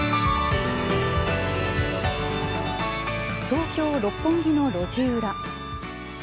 東京、六本木の路地裏。